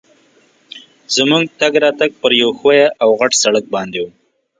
زموږ تګ راتګ پر یوه ښوي او غټ سړک باندي وو.